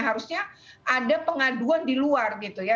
harusnya ada pengaduan di luar gitu ya